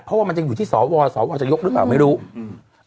เพราะว่ามันยังอยู่ที่สวสวจะยกหรือเปล่าไม่รู้อืม